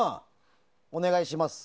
お願いします。